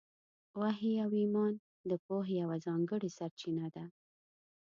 وحي او ایمان د پوهې یوه ځانګړې سرچینه ده.